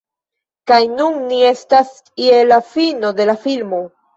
Kaj nun ni estas je la fino de la filmo